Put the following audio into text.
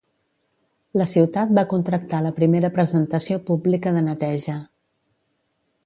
La ciutat va contractar la primera presentació pública de neteja.